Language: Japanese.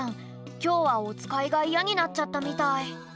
きょうはおつかいがイヤになっちゃったみたい。